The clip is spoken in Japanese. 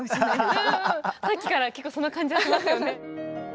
うんうんさっきから結構その感じはしますよね。